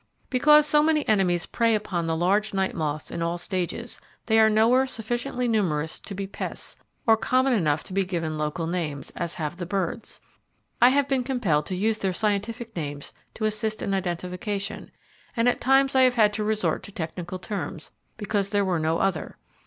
Because so many enemies prey upon the large night moths in all stages, they are nowhere sufficiently numerous to be pests, or common enough to be given local names, as have the birds. I have been compelled to use their scientific names to assist in identification, and at times I have had to resort to technical terms, because there were no other.